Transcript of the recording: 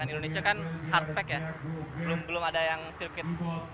indonesia kan hard pack ya belum ada yang sirkuit